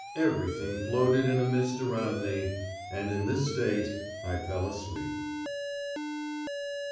Everything floated in a mist around me, and in this state I fell asleep.